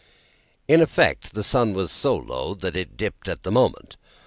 In effect, the sun was so low that it dipped at the moment.